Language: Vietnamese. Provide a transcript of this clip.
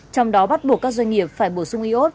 trong đó bắt buộc các doanh nghiệp phải bổ sung iốt